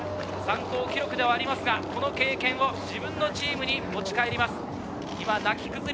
参考記録ですが、この経験を自分のチームに持ち帰ります。